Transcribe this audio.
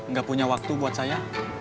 nggak punya waktu buat saya